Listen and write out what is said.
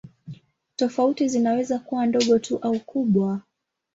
Tofauti zinaweza kuwa ndogo tu au kubwa.